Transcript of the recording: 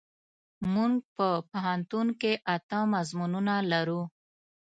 مونږ په پوهنتون کې اته مضمونونه لرو.